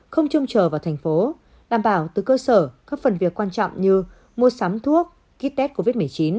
không trông chờ vào thành phố đảm bảo từ cơ sở các phần việc quan trọng như mua sắm thuốc kit test covid một mươi chín